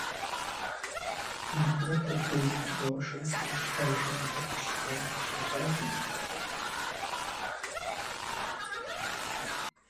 বিজ্ঞান ও প্রযুক্তি গবেষণা সংস্থা হিসেবে মাক্স প্লাংক সোসাইটি বিখ্যাত।